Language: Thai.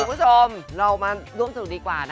คุณผู้ชมเรามาร่วมสนุกดีกว่านะ